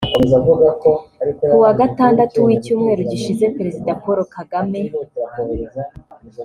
Kuwa Gatandatu w’icyumweru gishize Perezida Paul Kagame